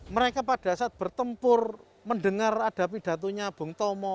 mereka pada saat bertempur mendengar ada pidatonya bung tomo